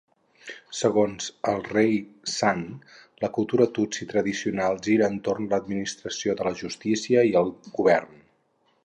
Segons el seu rei sant, la cultura tutsi tradicional gira entorn l"administració de la justícia i el govern.